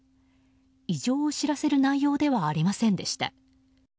異常を知らせる内容ではありませんでした。